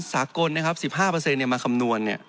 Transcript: สากล๑๕มาคำนวณ